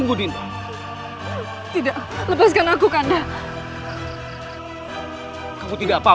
namun dimana mes felix dari doa kita bahwa kita tadi